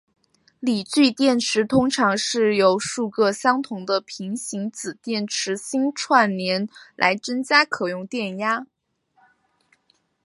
锂聚电池通常是由数个相同的平行子电池芯串联来增加可用电压。